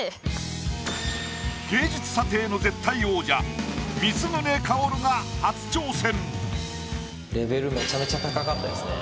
芸術査定の絶対王者光宗薫が初挑戦。